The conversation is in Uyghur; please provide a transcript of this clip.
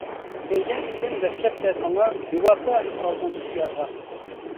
كۆيگەن ئىدىم دەسلەپتە ساڭا، بىۋاپا ھەم ئالدامچى يارغا.